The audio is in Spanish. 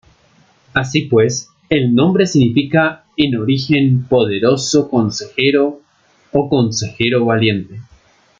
Así pues, el nombre significa en origen ‘poderoso consejero’ o ‘consejero valiente’.